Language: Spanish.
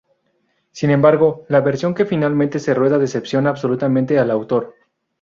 Sin embargo, la versión que finalmente se rueda decepciona absolutamente al autor.